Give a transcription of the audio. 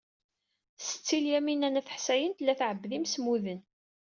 Setti Lyamina n At Ḥsayen tella tɛebbed imsemmuden.